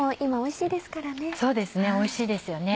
そうですおいしいですよね。